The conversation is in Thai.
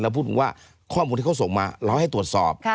พูดถึงว่าข้อมูลที่เขาส่งมาเราให้ตรวจสอบ